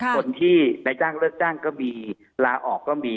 คนที่นายจ้างเลิกจ้างก็มีลาออกก็มี